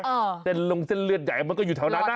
เออแต่ลงเส้นเลือดใหญ่มันก็อยู่เท่านั้นนะ